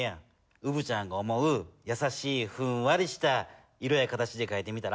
うぶちゃんが思うやさしいふんわりした色や形でかいてみたら？